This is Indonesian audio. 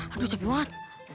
aduh capek banget